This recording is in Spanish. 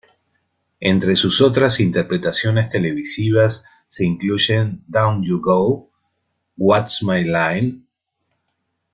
Entre sus otras interpretaciones televisivas se incluyen "Down You Go", "What's My Line?